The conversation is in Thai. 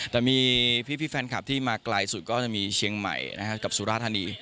แต่มีพี่แฟนคลับที่มาไกลสุดก็จะมีเชียงใหม่กับสุราธานี